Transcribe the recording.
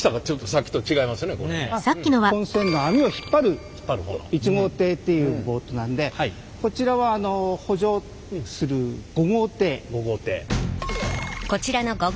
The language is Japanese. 本船の網を引っ張る１号艇というボートなのでこちらは補助する５号艇。